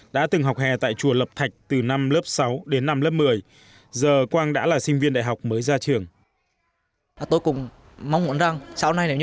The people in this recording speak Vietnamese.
đã từng học hè tại chùa lập thạch từ năm lớp sáu đến năm lớp một mươi